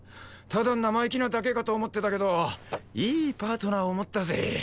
ただ生意気なだけかと思ってたけどいいパートナーを持ったぜ！